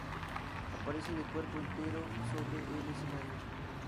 Aparece de cuerpo entero, sobre el escenario.